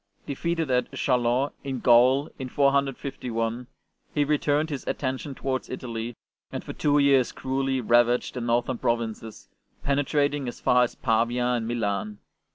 Defeated at Chalons in Gaul in 451, he turned his attention towards Italy, and for two years cruelly ravaged the northern provinces, pene trating as far as Pavia and Milan.